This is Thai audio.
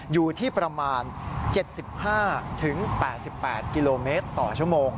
อยู่ที่ประมาณ๗๕๘๘กิโลเมตรต่อชั่วโมง